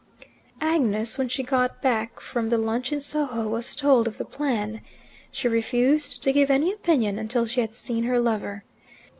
Agnes, when she got back from the lunch in Soho, was told of the plan. She refused to give any opinion until she had seen her lover.